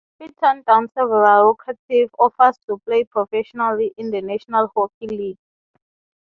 He turned down several lucrative offers to play professionally in the National Hockey League.